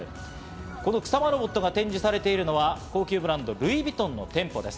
この草間ロボットが展示されているのは、高級ブランドのルイ・ヴィトンの店舗です。